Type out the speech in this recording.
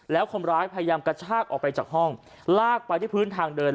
แล้วคนร้ายพยายามกระชากออกไปจากห้องลากไปที่พื้นทางเดิน